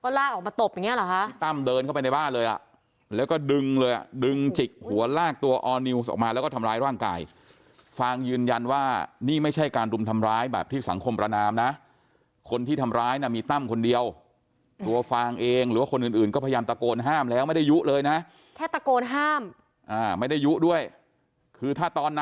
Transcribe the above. ลากออกมาตบอย่างเงี้เหรอคะพี่ตั้มเดินเข้าไปในบ้านเลยอ่ะแล้วก็ดึงเลยอ่ะดึงจิกหัวลากตัวออร์นิวส์ออกมาแล้วก็ทำร้ายร่างกายฟางยืนยันว่านี่ไม่ใช่การรุมทำร้ายแบบที่สังคมประนามนะคนที่ทำร้ายน่ะมีตั้มคนเดียวตัวฟางเองหรือว่าคนอื่นอื่นก็พยายามตะโกนห้ามแล้วไม่ได้ยุเลยนะแค่ตะโกนห้ามอ่าไม่ได้ยุด้วยคือถ้าตอนนั้น